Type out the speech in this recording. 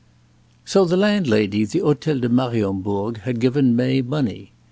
XXI So the landlady of the Hotel de Mariembourg had given May money.